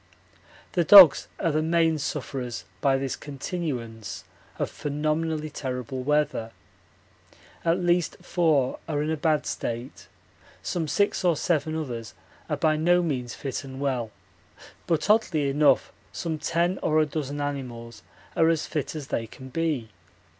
The dogs are the main sufferers by this continuance of phenomenally terrible weather. At least four are in a bad state; some six or seven others are by no means fit and well, but oddly enough some ten or a dozen animals are as fit as they can be.